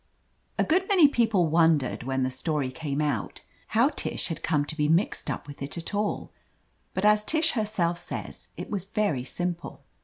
A good many people wondered, when the story came out, how Tish had come to be mixed up with it at all, but as Tish herself says, it was very simple.